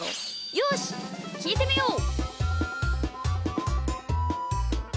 よしきいてみよう！